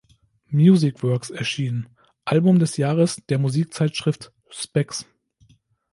Music Works erschien, Album des Jahres der Musikzeitschrift Spex.